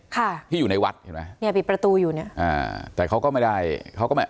ค่ะที่อยู่ในวัดเห็นไหมเนี่ยปิดประตูอยู่เนี้ยอ่าแต่เขาก็ไม่ได้เขาก็ไม่